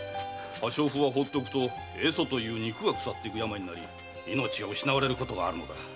破傷風はほうっておくと壊疽という肉が腐っていく病になり命を失われることがある。